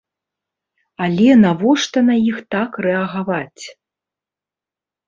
Але навошта на іх так рэагаваць?